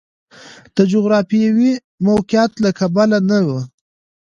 د جغرافیوي موقعیت له کبله نه و.